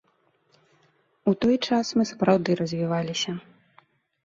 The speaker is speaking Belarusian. У той час мы сапраўды развіваліся.